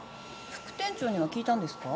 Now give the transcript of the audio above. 副店長には聞いたんですか？